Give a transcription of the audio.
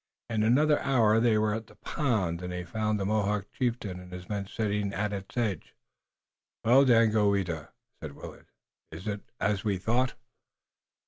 In another hour they were at the pond, and they found the Mohawk chieftain and his men sitting at its edge. "Well, Daganoweda," said Willet, "is it as we thought?"